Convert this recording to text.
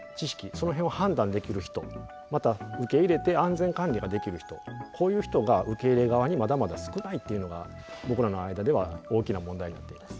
その辺を判断できる人また受け入れて安全管理ができる人こういう人が受け入れ側にまだまだ少ないっていうのが僕らの間では大きな問題になっています。